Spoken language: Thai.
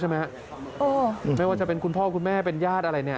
ไม่ว่าจะเป็นคุณพ่อคุณแม่เป็นญาติอะไรเนี่ย